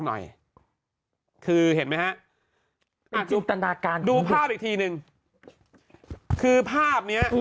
หน่อยคือเห็นไหมฮะอ่าดูภาพอีกทีหนึ่งคือภาพเนี้ย